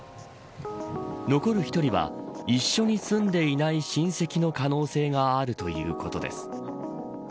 残る１人は一緒に住んでいない親戚の可能性があるということです。